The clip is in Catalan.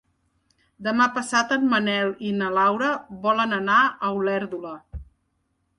Demà passat en Manel i na Laura volen anar a Olèrdola.